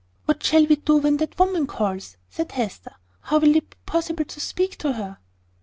"What shall we do when that woman calls?" said Hester. "How will it be possible to speak to her?"